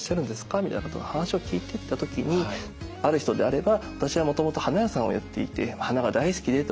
みたいなこと話を聞いていった時にある人であれば「私はもともと花屋さんをやっていて花が大好きで」とか。